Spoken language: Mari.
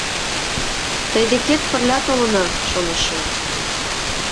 Тый декет пырля толына, шонышым.